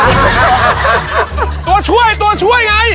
ตัวช่วยตัวช่วยไง